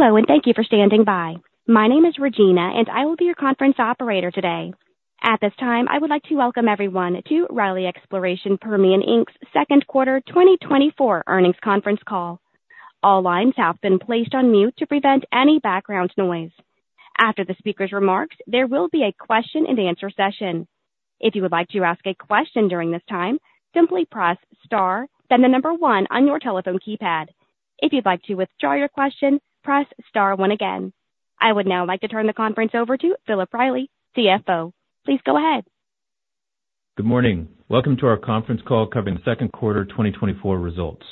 Hello, and thank you for standing by. My name is Regina, and I will be your conference operator today. At this time, I would like to welcome everyone to Riley Exploration Permian Inc.'s second quarter 2024 earnings conference call. All lines have been placed on mute to prevent any background noise. After the speaker's remarks, there will be a question-and-answer session. If you would like to ask a question during this time, simply press Star, then the number one on your telephone keypad. If you'd like to withdraw your question, press Star one again. I would now like to turn the conference over to Philip Riley, CFO. Please go ahead. Good morning. Welcome to our conference call covering the second quarter 2024 results.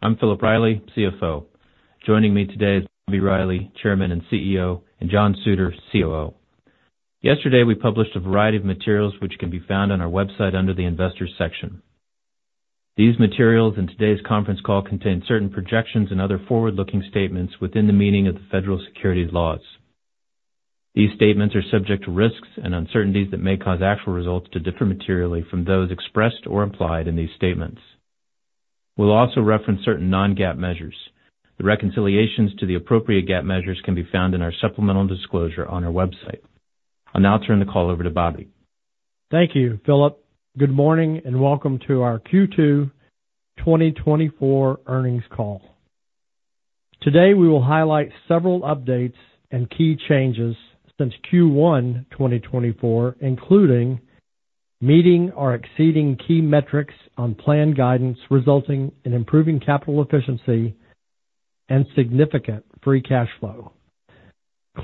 I'm Philip Riley, CFO. Joining me today is Bobby Riley, Chairman and CEO, and John Suter, COO. Yesterday, we published a variety of materials which can be found on our website under the Investors section. These materials and today's conference call contain certain projections and other forward-looking statements within the meaning of the federal securities laws. These statements are subject to risks and uncertainties that may cause actual results to differ materially from those expressed or implied in these statements. We'll also reference certain non-GAAP measures. The reconciliations to the appropriate GAAP measures can be found in our supplemental disclosure on our website. I'll now turn the call over to Bobby. Thank you, Philip. Good morning, and welcome to our Q2 2024 earnings call. Today, we will highlight several updates and key changes since Q1 2024, including meeting or exceeding key metrics on planned guidance, resulting in improving capital efficiency and significant free cash flow.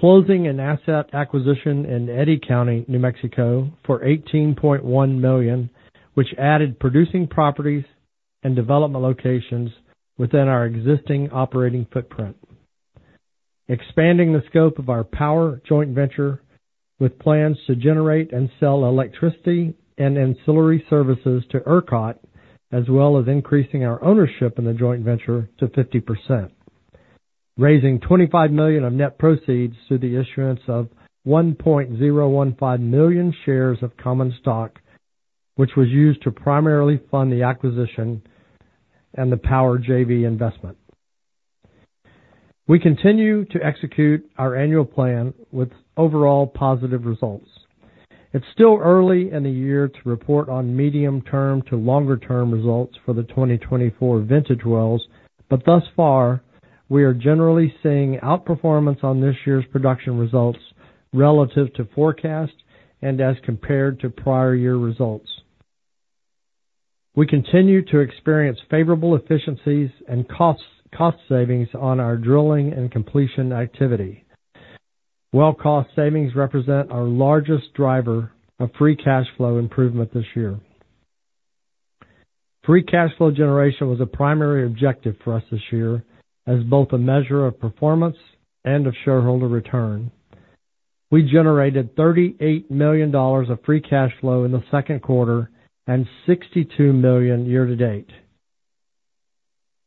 Closing an asset acquisition in Eddy County, New Mexico, for $18.1 million, which added producing properties and development locations within our existing operating footprint. Expanding the scope of our power joint venture with plans to generate and sell electricity and ancillary services to ERCOT, as well as increasing our ownership in the joint venture to 50%. Raising $25 million of net proceeds through the issuance of 1.015 million shares of common stock, which was used to primarily fund the acquisition and the power JV investment. We continue to execute our annual plan with overall positive results. It's still early in the year to report on medium-term to longer-term results for the 2024 vintage wells, but thus far, we are generally seeing outperformance on this year's production results relative to forecast and as compared to prior year results. We continue to experience favorable efficiencies and costs, cost savings on our drilling and completion activity. Well, cost savings represent our largest driver of free cash flow improvement this year. Free cash flow generation was a primary objective for us this year as both a measure of performance and of shareholder return. We generated $38 million of free cash flow in the second quarter and $62 million year to date.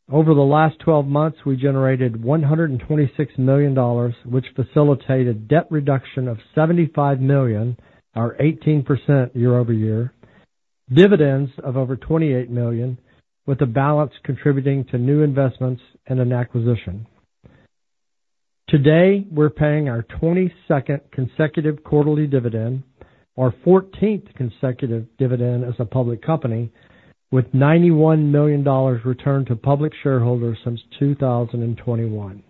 Over the last 12 months, we generated $126 million, which facilitated debt reduction of $75 million, or 18% year-over-year, dividends of over $28 million, with a balance contributing to new investments and an acquisition. Today, we're paying our 22nd consecutive quarterly dividend, our 14th consecutive dividend as a public company, with $91 million returned to public shareholders since 2021.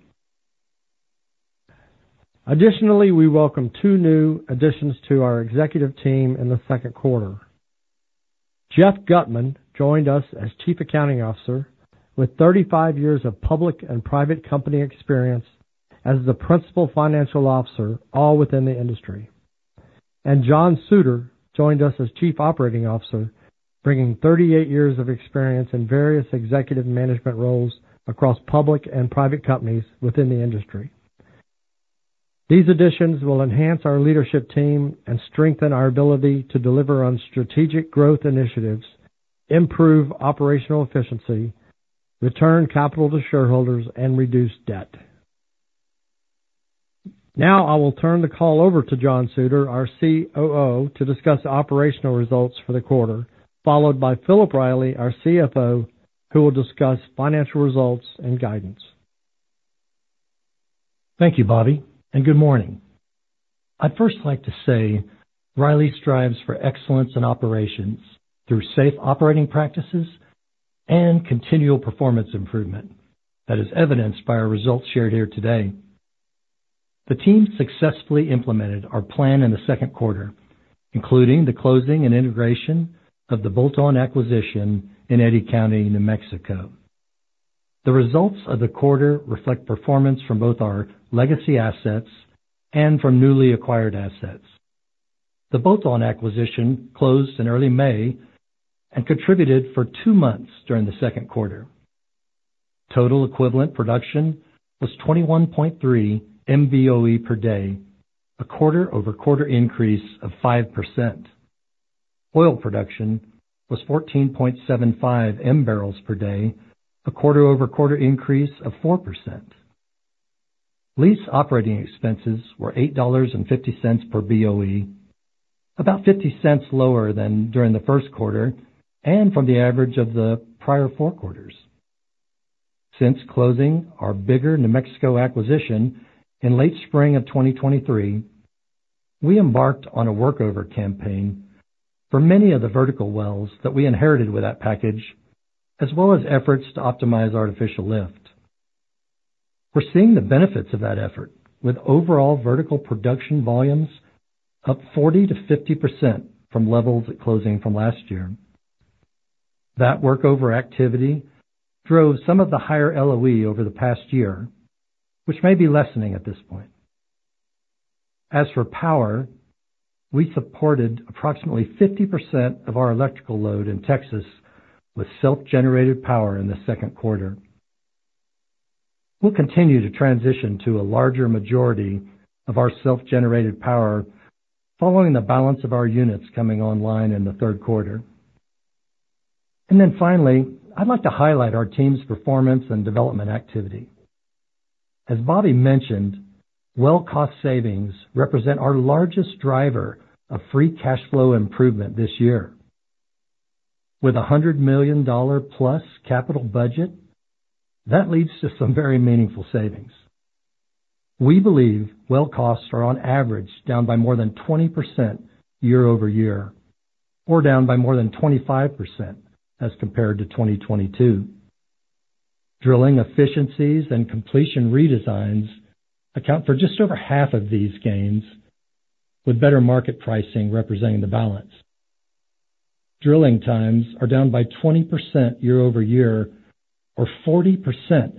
Additionally, we welcome 2 new additions to our executive team in the second quarter. Jeff Gutman joined us as Chief Accounting Officer with 35 years of public and private company experience as the Principal Financial Officer, all within the industry. John Suter joined us as Chief Operating Officer, bringing 38 years of experience in various executive management roles across public and private companies within the industry. These additions will enhance our leadership team and strengthen our ability to deliver on strategic growth initiatives, improve operational efficiency, return capital to shareholders, and reduce debt. Now, I will turn the call over to John Suter, our COO, to discuss the operational results for the quarter, followed by Philip Riley, our CFO, who will discuss financial results and guidance. Thank you, Bobby, and good morning. I'd first like to say Riley strives for excellence in operations through safe operating practices and continual performance improvement. That is evidenced by our results shared here today. The team successfully implemented our plan in the second quarter, including the closing and integration of the bolt-on acquisition in Eddy County, New Mexico. The results of the quarter reflect performance from both our legacy assets and from newly acquired assets. The bolt-on acquisition closed in early May and contributed for two months during the second quarter. Total equivalent production was 21.3 Mboe per day, a quarter-over-quarter increase of 5%. Oil production was 14.75 M barrels per day, a quarter-over-quarter increase of 4%. Lease operating expenses were $8.50 per Boe. about $0.50 lower than during the first quarter, and from the average of the prior 4 quarters. Since closing our bigger New Mexico acquisition in late spring of 2023, we embarked on a workover campaign for many of the vertical wells that we inherited with that package, as well as efforts to optimize artificial lift. We're seeing the benefits of that effort, with overall vertical production volumes up 40%-50% from levels at closing from last year. That workover activity drove some of the higher LOE over the past year, which may be lessening at this point. As for power, we supported approximately 50% of our electrical load in Texas with self-generated power in the second quarter. We'll continue to transition to a larger majority of our self-generated power following the balance of our units coming online in the third quarter. Then finally, I'd like to highlight our team's performance and development activity. As Bobby mentioned, well cost savings represent our largest driver of free cash flow improvement this year. With a $100 million+ capital budget, that leads to some very meaningful savings. We believe well costs are on average down by more than 20% year-over-year, or down by more than 25% as compared to 2022. Drilling efficiencies and completion redesigns account for just over half of these gains, with better market pricing representing the balance. Drilling times are down by 20% year-over-year, or 40%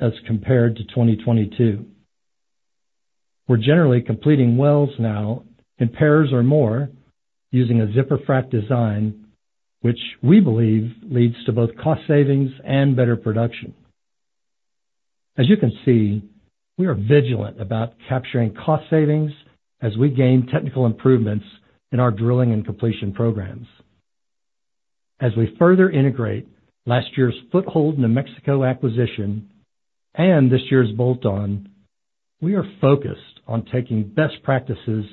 as compared to 2022. We're generally completing wells now in pairs or more, using a zipper frac design, which we believe leads to both cost savings and better production. As you can see, we are vigilant about capturing cost savings as we gain technical improvements in our drilling and completion programs. As we further integrate last year's foothold New Mexico acquisition and this year's bolt-on, we are focused on taking best practices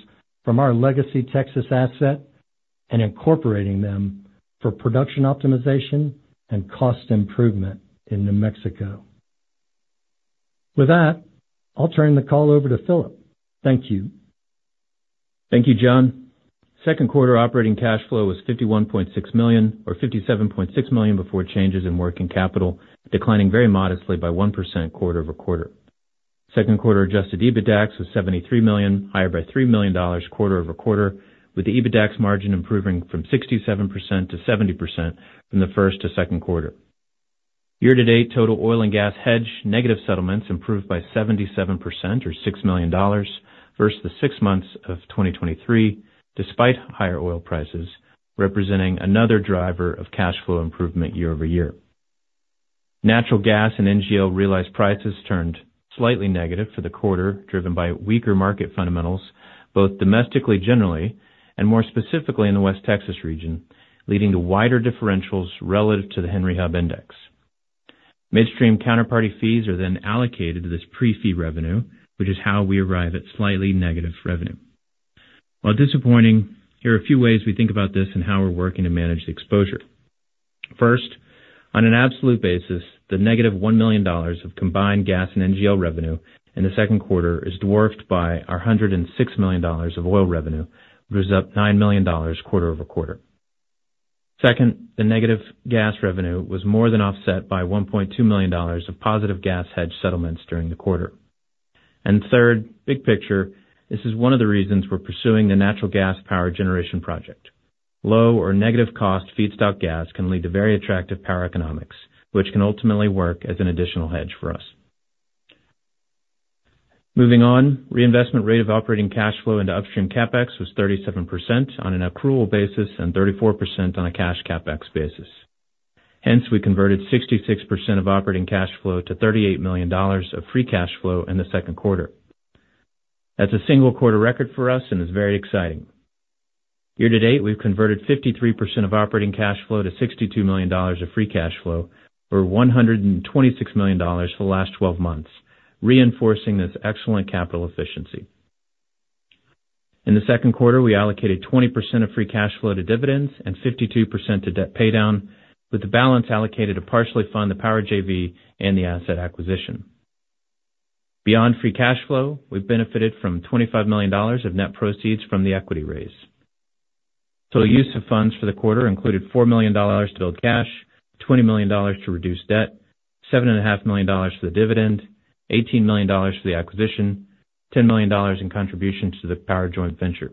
from our legacy Texas asset and incorporating them for production optimization and cost improvement in New Mexico. With that, I'll turn the call over to Philip. Thank you. Thank you, John. Second quarter operating cash flow was $51.6 million or $57.6 million before changes in working capital, declining very modestly by 1% quarter-over-quarter. Second quarter Adjusted EBITDAX was $73 million, higher by $3 million quarter-over-quarter, with the EBITDAX margin improving from 67% to 70% from the first to second quarter. Year-to-date, total oil and gas hedge negative settlements improved by 77% or $6 million versus the six months of 2023, despite higher oil prices, representing another driver of cash flow improvement year-over-year. Natural gas and NGL realized prices turned slightly negative for the quarter, driven by weaker market fundamentals, both domestically, generally, and more specifically in the West Texas region, leading to wider differentials relative to the Henry Hub Index. Midstream counterparty fees are then allocated to this pre-fee revenue, which is how we arrive at slightly negative revenue. While disappointing, here are a few ways we think about this and how we're working to manage the exposure. First, on an absolute basis, the negative $1 million of combined gas and NGL revenue in the second quarter is dwarfed by our $106 million of oil revenue, which is up $9 million quarter-over-quarter. Second, the negative gas revenue was more than offset by $1.2 million of positive gas hedge settlements during the quarter. And third, big picture, this is one of the reasons we're pursuing the natural gas power generation project. Low or negative cost feedstock gas can lead to very attractive power economics, which can ultimately work as an additional hedge for us. Moving on, reinvestment rate of operating cash flow into upstream CapEx was 37% on an accrual basis and 34% on a cash CapEx basis. Hence, we converted 66% of operating cash flow to $38 million of free cash flow in the second quarter. That's a single quarter record for us and is very exciting. Year to date, we've converted 53% of operating cash flow to $62 million of free cash flow, or $126 million for the last twelve months, reinforcing this excellent capital efficiency. In the second quarter, we allocated 20% of free cash flow to dividends and 52% to debt paydown, with the balance allocated to partially fund the power JV and the asset acquisition. Beyond free cash flow, we've benefited from $25 million of net proceeds from the equity raise. So the use of funds for the quarter included $4 million to build cash, $20 million to reduce debt, $7.5 million to the dividend, $18 million to the acquisition, $10 million in contribution to the power joint venture.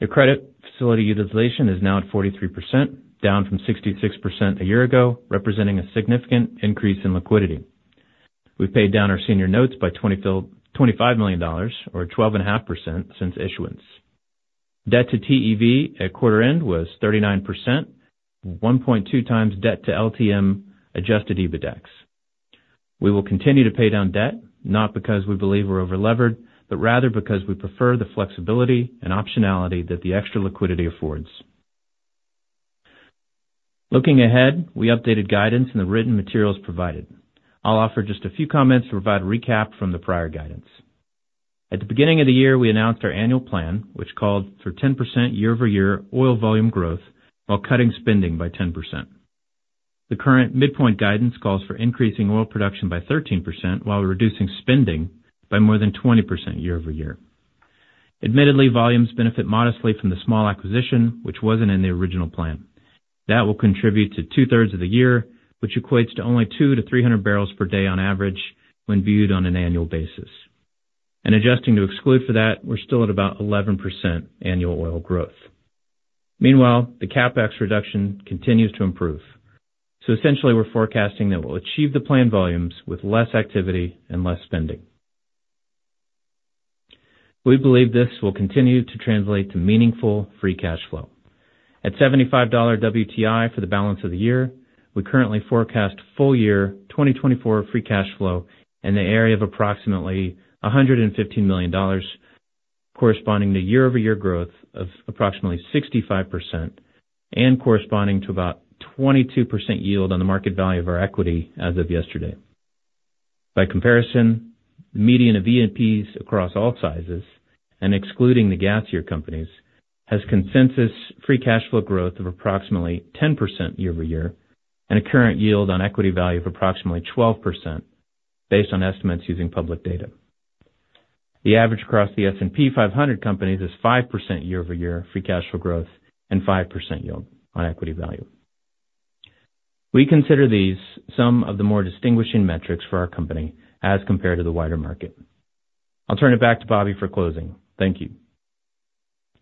The credit facility utilization is now at 43%, down from 66% a year ago, representing a significant increase in liquidity. We've paid down our senior notes by $25 million or 12.5% since issuance. Debt to TEV at quarter end was 39%, 1.2x debt to LTM Adjusted EBITDAX. We will continue to pay down debt, not because we believe we're over-levered, but rather because we prefer the flexibility and optionality that the extra liquidity affords.... Looking ahead, we updated guidance in the written materials provided. I'll offer just a few comments to provide a recap from the prior guidance. At the beginning of the year, we announced our annual plan, which called for 10% year-over-year oil volume growth while cutting spending by 10%. The current midpoint guidance calls for increasing oil production by 13%, while reducing spending by more than 20% year-over-year. Admittedly, volumes benefit modestly from the small acquisition, which wasn't in the original plan. That will contribute to two-thirds of the year, which equates to only 200-300 barrels per day on average when viewed on an annual basis. Adjusting to exclude for that, we're still at about 11% annual oil growth. Meanwhile, the CapEx reduction continues to improve. So essentially, we're forecasting that we'll achieve the planned volumes with less activity and less spending. We believe this will continue to translate to meaningful free cash flow. At $75 WTI for the balance of the year, we currently forecast full year 2024 free cash flow in the area of approximately $115 million, corresponding to year-over-year growth of approximately 65% and corresponding to about 22% yield on the market value of our equity as of yesterday. By comparison, the median of E&Ps across all sizes and excluding the gas-heavy companies, has consensus free cash flow growth of approximately 10% year-over-year, and a current yield on equity value of approximately 12%, based on estimates using public data. The average across the S&P 500 companies is 5% year-over-year free cash flow growth and 5% yield on equity value. We consider these some of the more distinguishing metrics for our company as compared to the wider market. I'll turn it back to Bobby for closing. Thank you.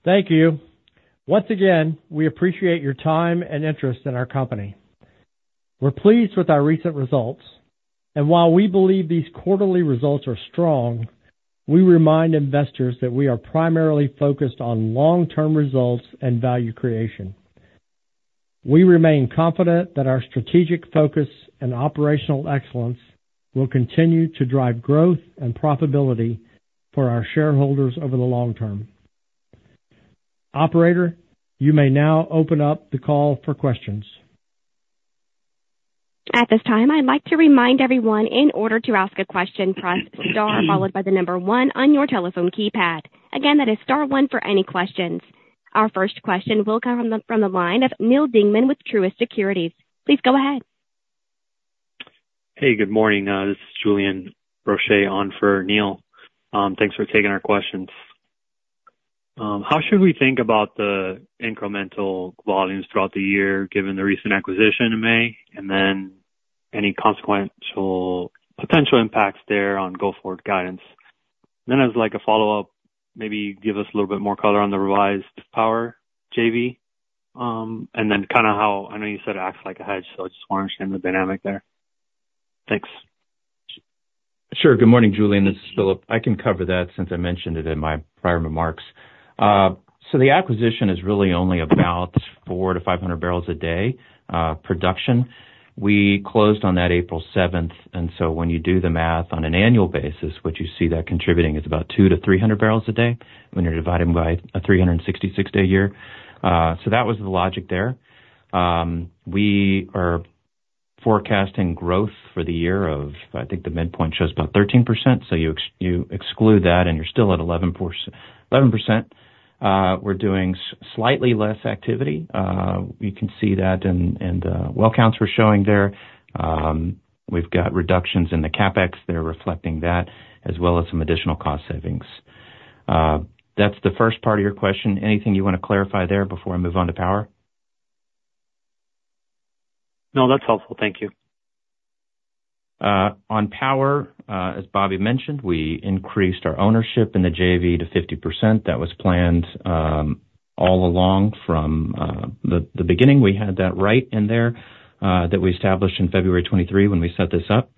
Thank you. Once again, we appreciate your time and interest in our company. We're pleased with our recent results, and while we believe these quarterly results are strong, we remind investors that we are primarily focused on long-term results and value creation. We remain confident that our strategic focus and operational excellence will continue to drive growth and profitability for our shareholders over the long term. Operator, you may now open up the call for questions. At this time, I'd like to remind everyone, in order to ask a question, press Star followed by the number 1 on your telephone keypad. Again, that is star 1 for any questions. Our first question will come from the line of Neil Dingman with Truist Securities. Please go ahead. Hey, good morning. This is Julian Roche on for Neil. Thanks for taking our questions. How should we think about the incremental volumes throughout the year, given the recent acquisition in May, and then any consequential potential impacts there on go-forward guidance? Then as like a follow-up, maybe give us a little bit more color on the revised power JV, and then kind of how I know you said it acts like a hedge, so I just want to understand the dynamic there. Thanks. Sure. Good morning, Julian, this is Philip. I can cover that since I mentioned it in my prior remarks. So the acquisition is really only about 400-500 barrels a day production. We closed on that April seventh, and so when you do the math on an annual basis, what you see that contributing is about 200-300 barrels a day when you're dividing by a 366-day year. So that was the logic there. We are forecasting growth for the year of, I think, the midpoint shows about 13%. So you exclude that and you're still at 11%. We're doing slightly less activity. You can see that in the well counts we're showing there. We've got reductions in the CapEx that are reflecting that, as well as some additional cost savings. That's the first part of your question. Anything you want to clarify there before I move on to power? No, that's helpful. Thank you. On power, as Bobby mentioned, we increased our ownership in the JV to 50%. That was planned all along from the beginning. We had that right in there that we established in February 2023 when we set this up.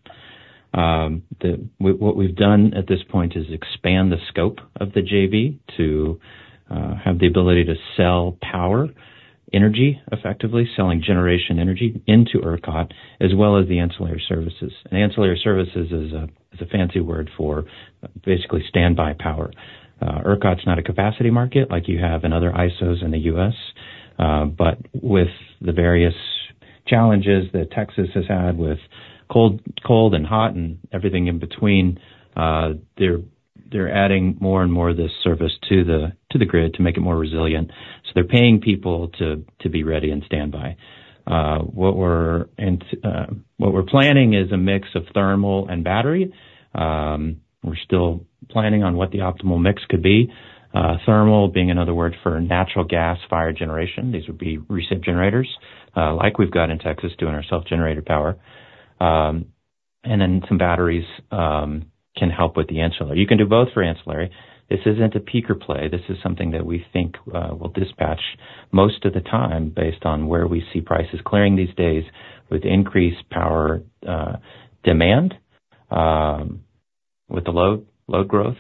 What we've done at this point is expand the scope of the JV to have the ability to sell power, energy, effectively, selling generation energy into ERCOT, as well as the ancillary services. Ancillary services is a fancy word for basically standby power. ERCOT's not a capacity market like you have in other ISOs in the US, but with the various challenges that Texas has had with cold and hot and everything in between, they're adding more and more of this service to the grid to make it more resilient. So they're paying people to be ready and standby. What we're planning is a mix of thermal and battery. We're still planning on what the optimal mix could be. Thermal being another word for natural gas-fired generation. These would be recent generators, like we've got in Texas, doing our self-generated power. And then some batteries can help with the ancillary. You can do both for ancillary. This isn't a peaker play. This is something that we think will dispatch most of the time based on where we see prices clearing these days with increased power demand, with the load growth,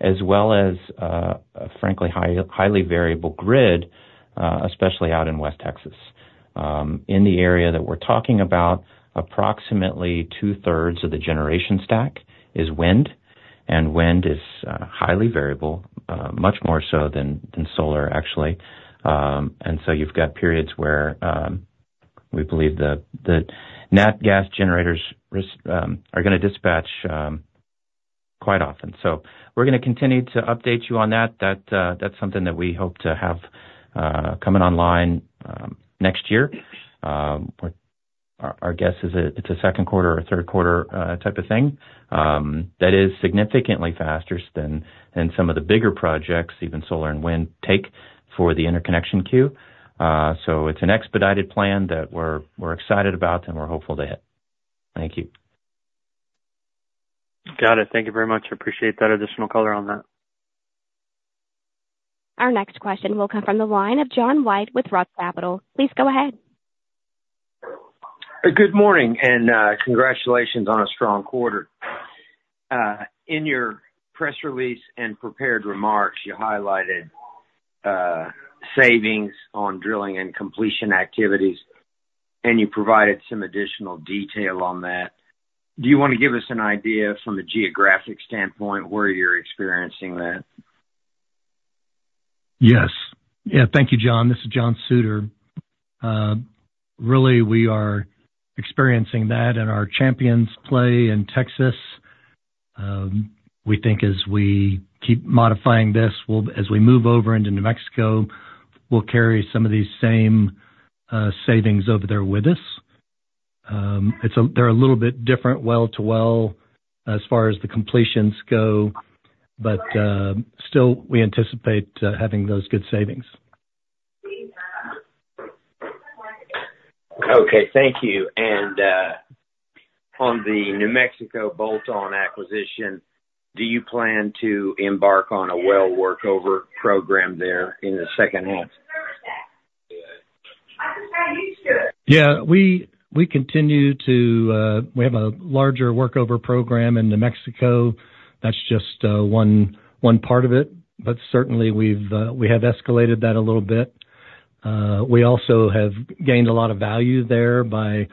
as well as a frankly highly variable grid, especially out in West Texas. In the area that we're talking about, approximately two-thirds of the generation stack is wind. Wind is highly variable, much more so than solar, actually. And so you've got periods where we believe that the nat gas generators are gonna dispatch quite often. So we're gonna continue to update you on that. That's something that we hope to have coming online next year. Our guess is it's a second quarter or third quarter type of thing. That is significantly faster than some of the bigger projects, even solar and wind, take for the interconnection queue. So it's an expedited plan that we're excited about, and we're hopeful to hit. Thank you. Got it. Thank you very much. Appreciate that additional color on that. Our next question will come from the line of John White with Roth Capital. Please go ahead. Good morning, and, congratulations on a strong quarter. In your press release and prepared remarks, you highlighted, savings on drilling and completion activities, and you provided some additional detail on that. Do you want to give us an idea from a geographic standpoint, where you're experiencing that? Yes. Yeah, thank you, John. This is John Suter. Really, we are experiencing that in our Champions play in Texas. We think as we keep modifying this, we'll. As we move over into New Mexico, we'll carry some of these same savings over there with us. It's a... They're a little bit different well to well, as far as the completions go, but still, we anticipate having those good savings. Okay, thank you. And on the New Mexico bolt-on acquisition, do you plan to embark on a well workover program there in the second half? Yeah. We continue to have a larger workover program in New Mexico. That's just one part of it. But certainly we've escalated that a little bit. We also have gained a lot of value there by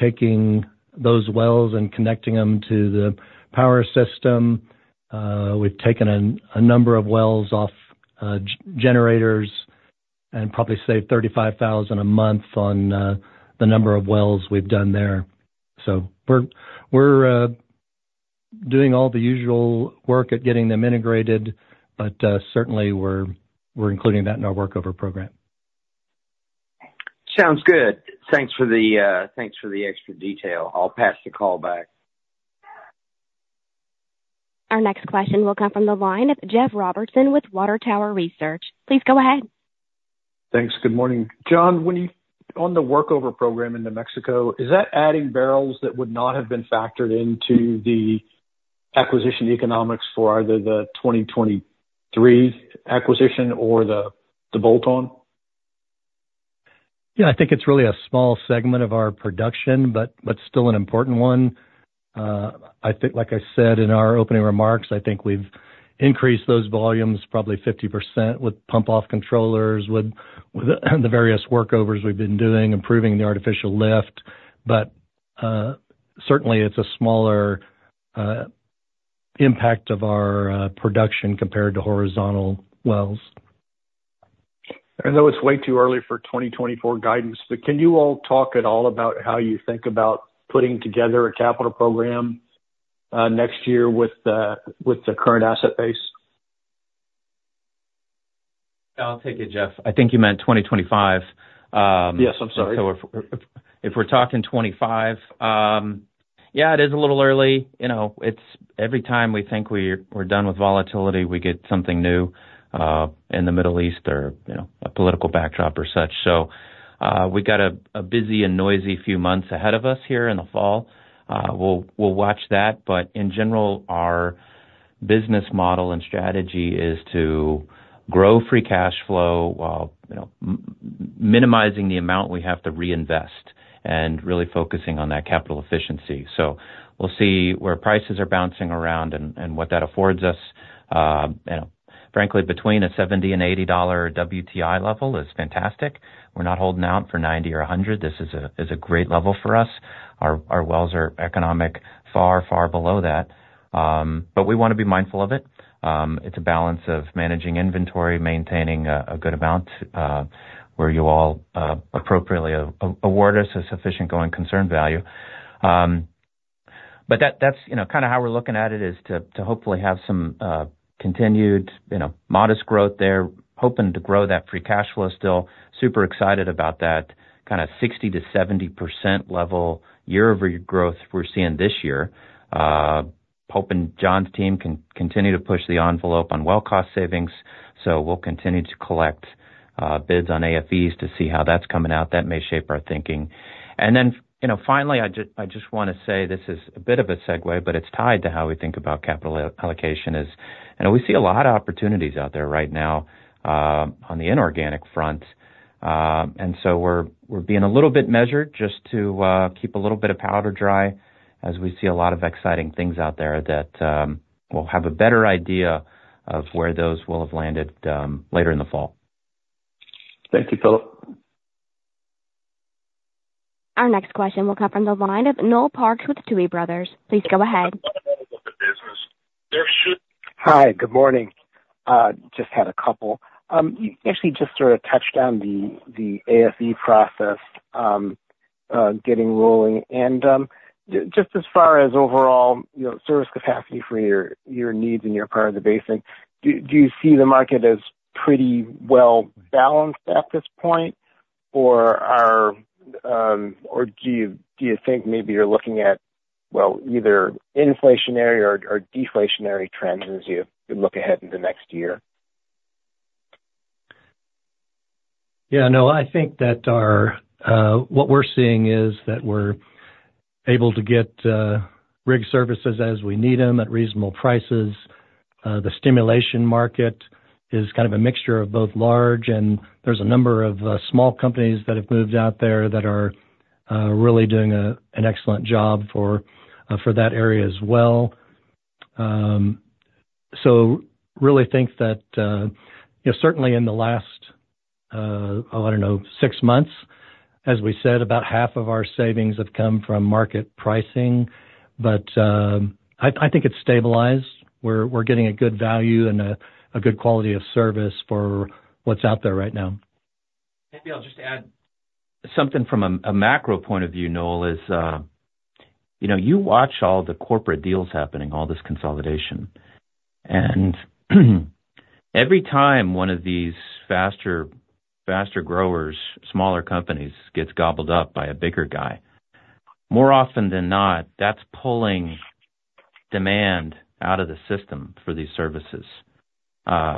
taking those wells and connecting them to the power system. We've taken a number of wells off generators and probably saved $35,000 a month on the number of wells we've done there. So we're doing all the usual work at getting them integrated, but certainly we're including that in our workover program. Sounds good. Thanks for the extra detail. I'll pass the call back. Our next question will come from the line of Jeff Robertson with Water Tower Research. Please go ahead. Thanks. Good morning. John, when you on the workover program in New Mexico, is that adding barrels that would not have been factored into the acquisition economics for either the 2023 acquisition or the bolt-on? Yeah, I think it's really a small segment of our production, but still an important one. I think, like I said in our opening remarks, I think we've increased those volumes probably 50% with pump-off controllers, with the various workovers we've been doing, improving the artificial lift. But certainly it's a smaller impact of our production compared to horizontal wells. I know it's way too early for 2024 guidance, but can you all talk at all about how you think about putting together a capital program next year with the current asset base? I'll take it, Jeff. I think you meant 2025. Yes, I'm sorry. So if we're talking 2025, yeah, it is a little early. You know, it's every time we think we're done with volatility, we get something new in the Middle East or, you know, a political backdrop or such. So we got a busy and noisy few months ahead of us here in the fall. We'll watch that. But in general, our business model and strategy is to grow free cash flow while, you know, minimizing the amount we have to reinvest and really focusing on that capital efficiency. So we'll see where prices are bouncing around and what that affords us. You know, frankly, between a $70-$80 WTI level is fantastic. We're not holding out for 90 or 100. This is a great level for us. Our wells are economic far, far below that, but we want to be mindful of it. It's a balance of managing inventory, maintaining a good amount where you all appropriately award us a sufficient going concern value. But that's, you know, kind of how we're looking at it, is to hopefully have some continued, you know, modest growth there. Hoping to grow that free cash flow still. Super excited about that kind of 60%-70% level year-over-year growth we're seeing this year. Hoping John's team can continue to push the envelope on well cost savings, so we'll continue to collect bids on AFEs to see how that's coming out. That may shape our thinking. And then, you know, finally, I just, I just wanna say, this is a bit of a segue, but it's tied to how we think about capital allocation is, and we see a lot of opportunities out there right now, on the inorganic front. And so we're, we're being a little bit measured just to keep a little bit of powder dry as we see a lot of exciting things out there that we'll have a better idea of where those will have landed, later in the fall. Thank you, Philip. ...Our next question will come from the line of Noel Parks with Tuohy Brothers. Please go ahead. Hi, good morning. Just had a couple. You actually just sort of touched on the, the AFE process getting rolling. And just as far as overall, you know, service capacity for your, your needs in your part of the basin, do you see the market as pretty well balanced at this point? Or are, or do you think maybe you're looking at, well, either inflationary or deflationary trends as you look ahead in the next year? Yeah, no, I think that our what we're seeing is that we're able to get rig services as we need them at reasonable prices. The stimulation market is kind of a mixture of both large, and there's a number of small companies that have moved out there that are really doing an excellent job for that area as well. So really think that, you know, certainly in the last, oh, I don't know, six months, as we said, about half of our savings have come from market pricing. But I think it's stabilized. We're getting a good value and a good quality of service for what's out there right now. Maybe I'll just add something from a macro point of view, Noel. You know, you watch all the corporate deals happening, all this consolidation, and every time one of these faster growers, smaller companies, gets gobbled up by a bigger guy, more often than not, that's pulling demand out of the system for these services.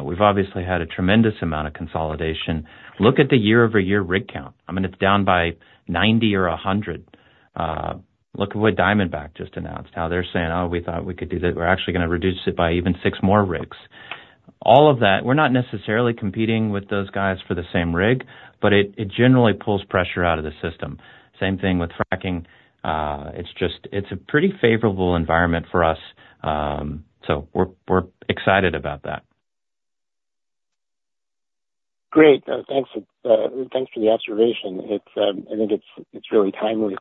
We've obviously had a tremendous amount of consolidation. Look at the year-over-year rig count. I mean, it's down by 90 or 100. Look at what Diamondback just announced, how they're saying, "Oh, we thought we could do that. We're actually gonna reduce it by even 6 more rigs." All of that, we're not necessarily competing with those guys for the same rig, but it generally pulls pressure out of the system. Same thing with fracking. It's just a pretty favorable environment for us. So we're excited about that. Great. Thanks, thanks for the observation. It's, I think it's, it's really timely.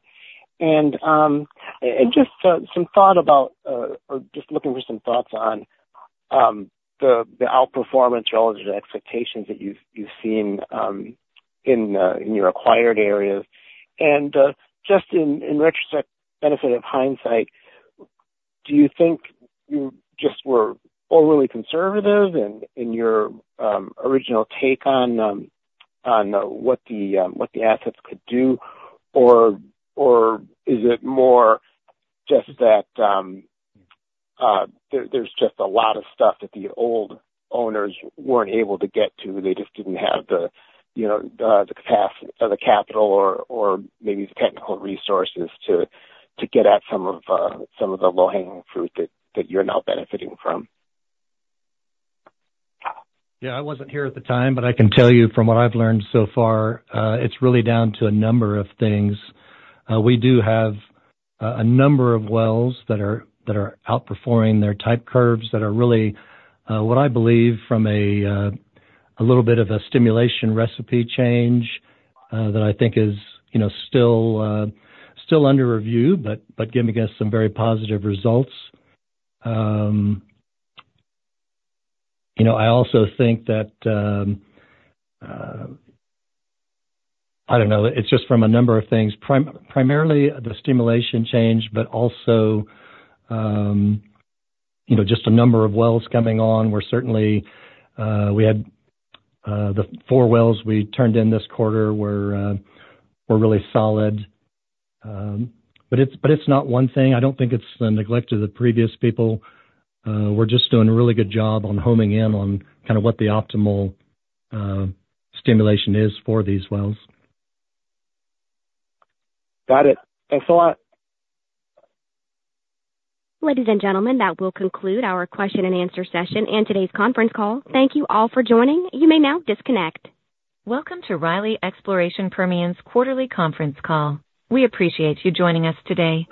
And, and just, some thought about, or just looking for some thoughts on, the, the outperformance relative to expectations that you've, you've seen, in, in your acquired areas. And, just in, in retrospect, benefit of hindsight, do you think you just were overly conservative in, in your, original take on, on, what the, what the assets could do? Or, or is it more just that, there, there's just a lot of stuff that the old owners weren't able to get to, they just didn't have the, you know, the, the capacity or the capital or, or maybe the technical resources to, to get at some of, some of the low-hanging fruit that, that you're now benefiting from? Yeah, I wasn't here at the time, but I can tell you from what I've learned so far, it's really down to a number of things. We do have a number of wells that are outperforming their type curves, that are really what I believe from a little bit of a stimulation recipe change that I think is, you know, still under review, but giving us some very positive results. You know, I also think that I don't know. It's just from a number of things. Primarily the stimulation change, but also, you know, just a number of wells coming on. We certainly had the four wells we turned in this quarter were really solid. But it's not one thing. I don't think it's the neglect of the previous people. We're just doing a really good job on homing in on kind of what the optimal stimulation is for these wells. Got it. Thanks a lot. Ladies and gentlemen, that will conclude our question and answer session and today's conference call. Thank you all for joining. You may now disconnect. Welcome to Riley Exploration Permian's quarterly conference call. We appreciate you joining us today.